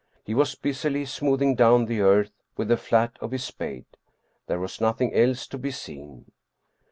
He was busily smoothing down the earth with the flat of his spade. There was nothing else to be seen.